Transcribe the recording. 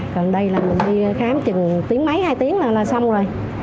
còn đây là mình đi khám chừng tiếng mấy hai tiếng thôi là xong rồi